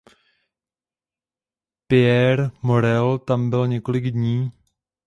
Pierre Morel tam byl několik dní.